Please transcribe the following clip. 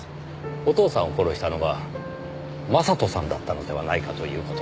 お父さんを殺したのは将人さんだったのではないかという事です。